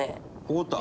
「怒った」